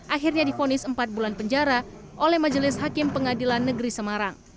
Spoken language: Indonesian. akhirnya difonis empat bulan penjara oleh majelis hakim pengadilan negeri semarang